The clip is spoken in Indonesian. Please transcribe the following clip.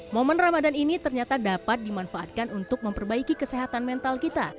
momen ramadan ini ternyata dapat dimanfaatkan untuk memperbaiki kesehatan mental kita